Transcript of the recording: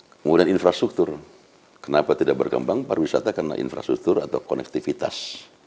kemudian infrastruktur kenapa tidak berkembang pariwisata karena infrastruktur atau konektivitas